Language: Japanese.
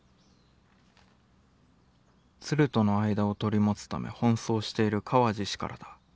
「鶴との間を取り持つため奔走している川路氏からだ。